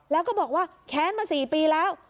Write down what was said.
แล้วก็บอกว่าแค้นมา๔ปีแล้ว